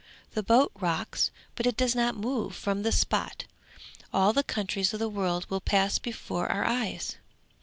The boat rocks, but it does not move from the spot; all the countries of the world will pass before our eyes.'